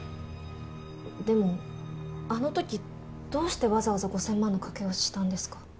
でもあのときどうしてわざわざ５，０００万の賭けをしたんですか？